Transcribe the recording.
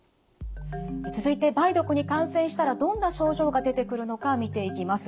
続いて梅毒に感染したらどんな症状が出てくるのか見ていきます。